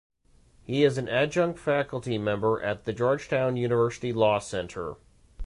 He is an adjunct faculty member at the Georgetown University Law Center.